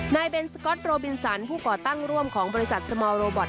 เบนสก๊อตโรบินสันผู้ก่อตั้งร่วมของบริษัทสมอลโรบอต